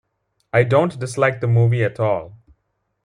I don't dislike the movie at all.